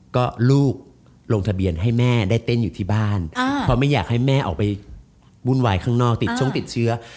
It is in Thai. ก็ลูกลงทะเบียนให้แม่ได้เต้นอยู่ที่บ้านเพราะไม่อยากให้แม่ออกไปวุ่นวายข้างนอกติดช่องติดเชื้อ